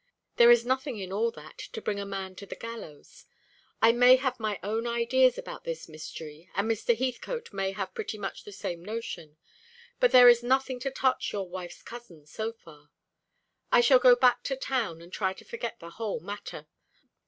There is nothing in all that to bring a man to the gallows. I may have my own ideas about this mystery, and Mr. Heathcote may have pretty much the same notion, but there is nothing to touch your wife's cousin so far. I shall go back to town, and try to forget the whole matter.